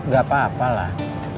gak apa apa lah